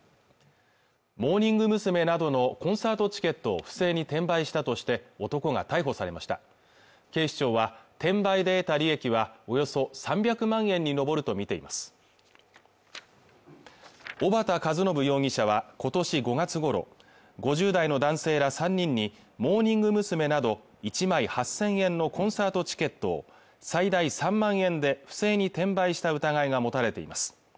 モーニング娘。などのコンサートチケットを不正に転売したとして男が逮捕されました警視庁は転売で得た利益はおよそ３００万円に上るとみています小幡和伸容疑者は今年５月ごろ５０代の男性ら３人にモーニング娘。など１枚８０００円のコンサートチケットを最大３万円で不正に転売した疑いが持たれています